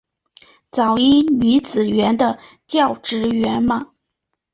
早乙女学园的教职员们。